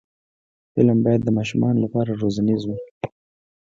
فلم باید د ماشومانو لپاره روزنیز وي